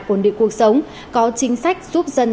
quần địa cuộc sống có chính sách giúp dân